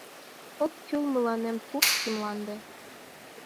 Ок кӱл мыланем Турций мланде